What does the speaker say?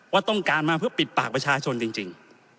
ว่าต้องการมาเพื่อปิดปากประชาชนจริง